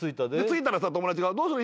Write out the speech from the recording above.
着いたら友達が「どうする？